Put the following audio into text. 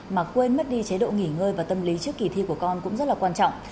mà quên mất đi chế độ nghỉ ngơi và tâm lý trước kỳ thi của con cũng rất là quan trọng